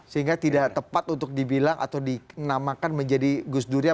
sehingga tidak tepat untuk dibilang atau dinamakan menjadi gusdurian